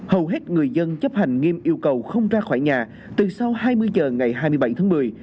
hầu hết người dân chấp hành nghiêm yêu cầu không ra khỏi nhà từ sau hai mươi h ngày hai mươi bảy tháng một mươi